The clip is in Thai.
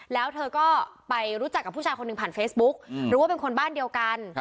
แล้วเธอก็ไปรู้จักกับผู้ชายคนหนึ่งผ่านเฟซบุ๊กรู้ว่าเป็นคนบ้านเดียวกัน